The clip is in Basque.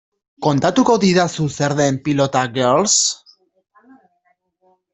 Kontatuko didazu zer den Pilota Girls?